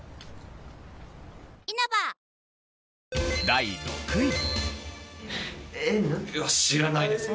第６位。